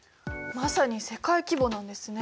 まさに世界規模なんですね。